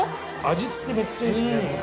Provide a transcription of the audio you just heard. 味付けめっちゃいいっすね